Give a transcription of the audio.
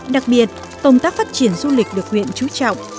đặc biệt công tác phát triển du lịch được huyện trú trọng